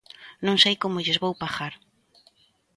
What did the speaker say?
Non sei como lles vou pagar!